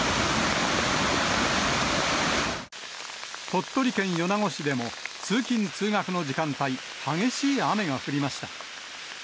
鳥取県米子市でも、通勤・通学の時間帯、激しい雨が降りました。